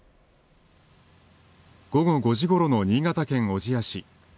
午後５時ごろの新潟県小千谷市。